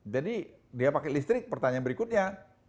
jadi dia pakai listrik pertanyaan berikutnya